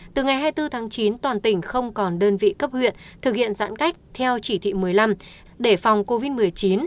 từ ngày hai mươi bốn tháng chín toàn tỉnh không còn đơn vị cấp huyện thực hiện giãn cách theo chỉ thị một mươi năm để phòng covid một mươi chín